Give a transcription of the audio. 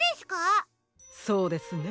そうですね。